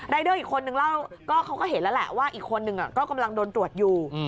เดอร์อีกคนนึงเล่าก็เขาก็เห็นแล้วแหละว่าอีกคนนึงก็กำลังโดนตรวจอยู่